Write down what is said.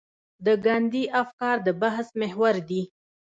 د ګاندي افکار د بحث محور دي.